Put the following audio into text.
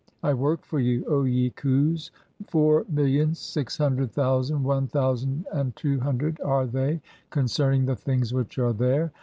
"I work for you, (21) O ye Khus — four millions, six hundred "thousand, one thousand and two hundred are they — concerning "the things which are there.